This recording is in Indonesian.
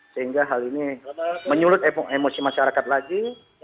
sehingga hal ini menyulut emosi masyarakat lagi